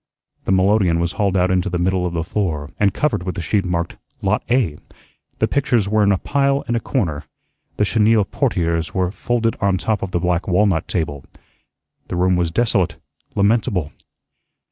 The melodeon was hauled out into the middle of the floor, and covered with a sheet marked "Lot A," the pictures were in a pile in a corner, the chenille portieres were folded on top of the black walnut table. The room was desolate, lamentable.